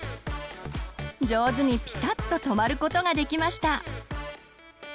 上手にピタッと止まることができました。